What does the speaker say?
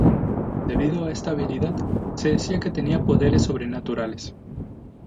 Debido a esta habilidad, se decía que tenía poderes sobrenaturales.